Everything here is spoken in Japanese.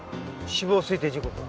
死亡推定時刻は？